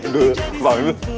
dulu bang itu